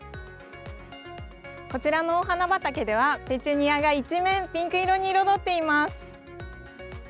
こちらのお花畑では、ペチュニアが一面、ピンク色に彩っています。